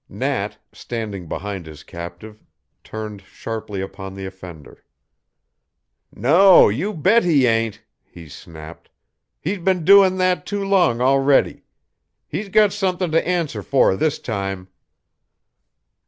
Nat, standing behind his captive, turned sharply upon the offender. "No, you bet he ain't!" he snapped. "He's been doin' that too long already. He's got somethin' to answer for this time."